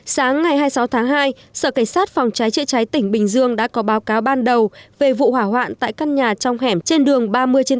sáng ngày hai mươi sáu tháng hai sở cảnh sát phòng trái trị trái tỉnh bình dương đã có báo cáo ban đầu về vụ hỏa hoạn tại căn nhà trong hẻm trên đường ba mươi trên bốn